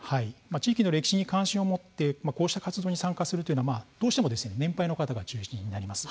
地域の歴史に関心を持ってこうした活動に参加するのはどうしても年配の方が中心になります。